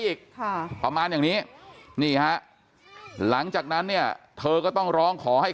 อีกค่ะประมาณอย่างนี้นี่ฮะหลังจากนั้นเนี่ยเธอก็ต้องร้องขอให้